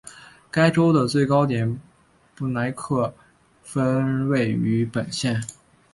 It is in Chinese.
该州的最高点布莱克峰位于本县。